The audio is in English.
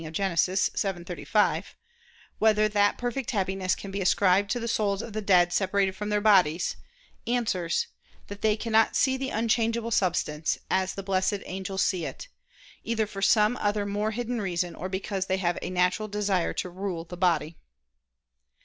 xii, 35) "whether that perfect Happiness can be ascribed to the souls of the dead separated from their bodies," answers "that they cannot see the Unchangeable Substance, as the blessed angels see It; either for some other more hidden reason, or because they have a natural desire to rule the body."